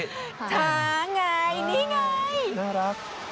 ช้าไงนี่ไงน่ารัก